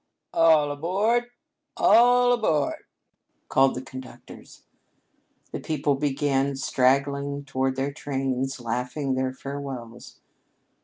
"All aboard! All aboard!" called the conductors. The people began straggling toward their trains, laughing their farewells.